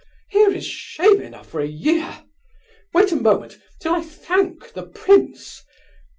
Here is shame enough for a year! Wait a moment 'till I thank the prince!